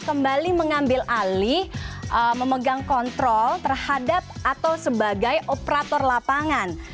kembali mengambil alih memegang kontrol terhadap atau sebagai operator lapangan